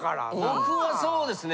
僕はそうですね。